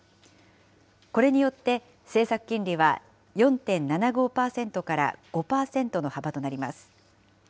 これによって政策金利は４．７５％から５％の幅となります。